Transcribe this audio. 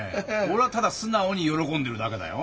俺はただ素直に喜んでるだけだよ。